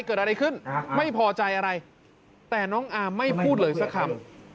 เกิดอะไรขึ้นไม่พอใจอะไรแต่น้องอาร์มไม่พูดเลยสักคำ